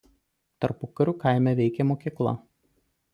Tarpukariu kaime veikė mokykla.